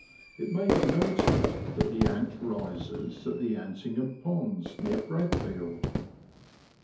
It may be noted that the Ant rises at the Antingham Ponds, near Bradfield.